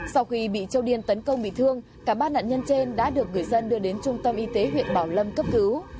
sau khi bị châu điên tấn công bị thương cả ba nạn nhân trên đã được người dân đưa đến trung tâm y tế huyện bảo lâm cấp cứu